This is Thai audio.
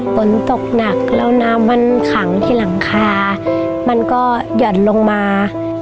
ฝนตกหนักแล้วน้ำมันขังที่หลังคามันก็หย่อนลงมา